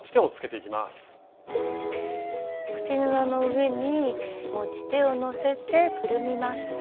口布の上に持ち手をのせてくるみます。